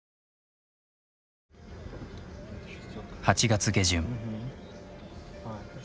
８月下旬。